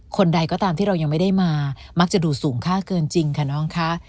คนใดก็ตามที่เรายังไม่ได้มามักจะดูดสูงค่าเกินจริงค่ะน้องคะ